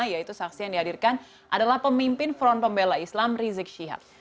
yaitu saksi yang dihadirkan adalah pemimpin front pembela islam rizik syihab